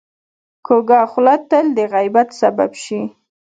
کوږه خوله تل د غیبت سبب شي